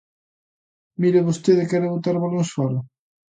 Mire: vostede quere botar balóns fóra.